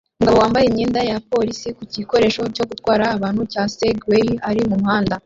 Umugabo wambaye imyenda ya polisi ku gikoresho cyo gutwara abantu cya Segway ari mu muhanda